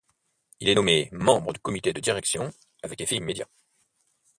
Il est nommé membre du comité de direction avec effet immédiat.